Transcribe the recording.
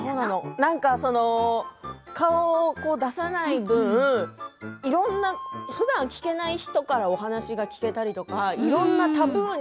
なんか顔を出さない分ふだん聞けない人からお話が聞けたりとかいろんなタブーに